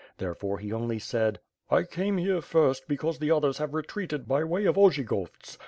Therefore he only said: "1 came here first, because the others have retreated by way of Ojygovts.